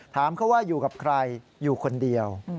ถามเขาว่าอยู่กับใครอยู่คนเดียว